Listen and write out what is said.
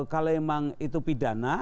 kalau memang itu pidana